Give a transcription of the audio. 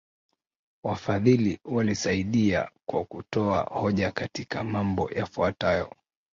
Wafadhili walisaidia kwa kutoa hoja katika mambo yafuatayo